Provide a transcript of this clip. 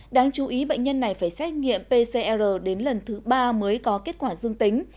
đáng chú ý bệnh nhân này phải xét nghiệm pcr đến lần thứ ba mới có kết quả dương tính